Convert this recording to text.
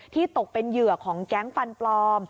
ตกเป็นเหยื่อของแก๊งฟันปลอม